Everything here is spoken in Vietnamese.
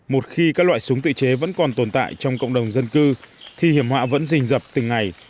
một khi các loại súng tự chế vẫn còn tồn tại trong cộng đồng dân cư thì hiểm họa vẫn rình dập từng ngày